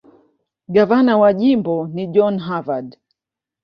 Gavana wa jimbo ni John Harvard.